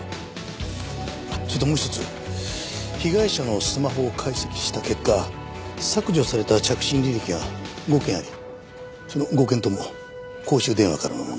それともう一つ被害者のスマホを解析した結果削除された着信履歴が５件ありその５件とも公衆電話からのものでした。